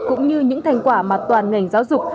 cũng như những thành quả mà toàn ngành giáo dục